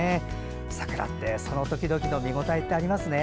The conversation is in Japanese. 桜ってその時々の見応えってありますね。